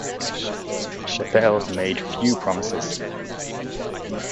Chapel made few promises.